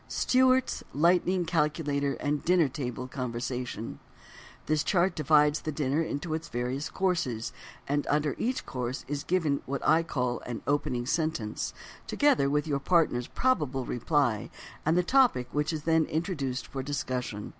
STEWART'S LIGHTNING CALCULATOR OF DINNER TABLE CONVERSATION This chart divides the dinner into its various courses, and under each course is given what I call an "opening sentence," together with your partner's probable reply and the topic which is then introduced for discussion.